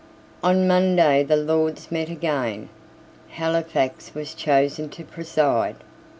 On Monday the Lords met again. Halifax was chosen to preside.